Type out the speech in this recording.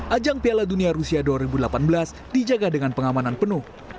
ajang piala dunia rusia dua ribu delapan belas dijaga dengan pengamanan penuh